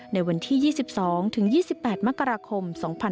ในวันที่๒๒ถึง๒๒๘มกราคม๒๕๖๒